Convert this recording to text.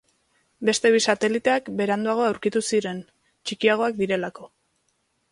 Beste bi sateliteak beranduago aurkitu ziren, txikiagoak direlako.